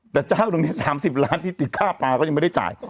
แต่เจ้าหนึ่งเนี่ยสามสิบล้านที่ติดค่าปลาก็ยังไม่ได้จ่ายอ๋อ